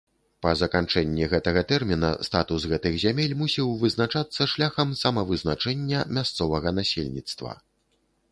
Па заканчэнні гэтага тэрміна статус гэтых зямель мусіў вызначацца шляхам самавызначэння мясцовага насельніцтва.